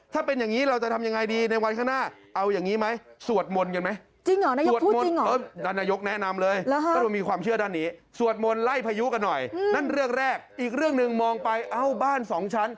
ถ้าเป็นอย่างนี้เราจะทำอย่างไรดีในวันข้างหน้า